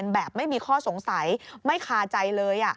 แบบไม่มีข้อสงสัยไม่คาใจเลย